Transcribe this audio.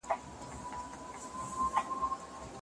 د معاصرو لیکوالانو نظریات د څېړني لپاره ګټور دي.